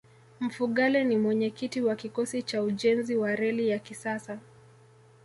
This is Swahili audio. mfugale ni mwenyekiti wa kikosi cha ujenzi wa reli ya kisasa